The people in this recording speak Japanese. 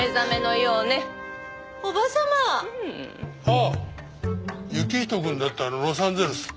ああ行人くんだったらロサンゼルス。